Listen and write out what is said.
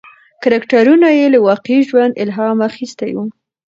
کرکټرونه یې له واقعي ژوند الهام اخیستی و.